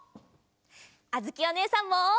あづきおねえさんも！